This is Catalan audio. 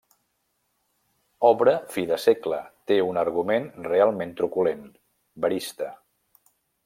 Obra fi de segle, té un argument realment truculent, verista.